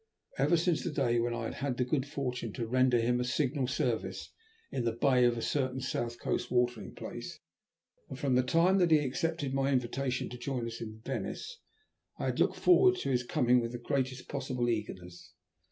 Ever since the day when I had the good fortune to render him a signal service in the bay of a certain south coast watering place, and from the time that he had accepted my invitation to join us in Venice, I had looked forward to his coming with the greatest possible eagerness.